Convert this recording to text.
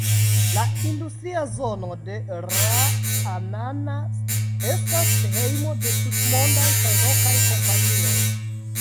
La industria zono de Ra'anana's estas hejmo de tutmondaj kaj lokaj kompanioj.